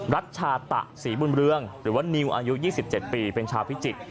รัชชาตะสีบุญเรื่องหรือว่านิวอายุยี่สิบเจ็ดปีเป็นชาวพิจิก